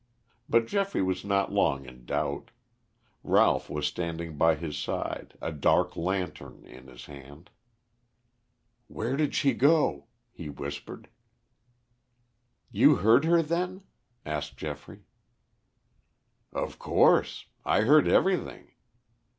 But Geoffrey was not long in doubt. Ralph was standing by his side, a dark lantern in his hand. "Where did she go?" he whispered. "You heard her, then?" asked Geoffrey. "Of course, I heard everything.